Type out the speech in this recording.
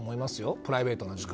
プライベートな時間。